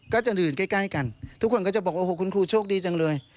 ก็จะดื่มใกล้กันทุกคนก็จะบอกโอ้โหคุณครูโชคดีจังเลย